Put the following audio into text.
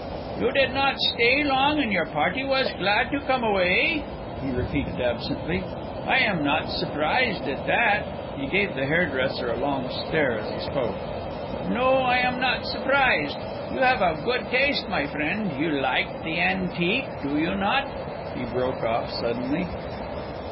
"You did not stay long, and your party was glad to come away?" he repeated absently. "I am not surprised at that." He gave the hairdresser a long stare as he spoke. "No, I am not surprised.... You have a good taste, my friend; you laike the antique, do you not?" he broke off suddenly.